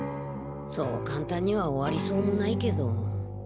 そうかんたんには終わりそうもないけど。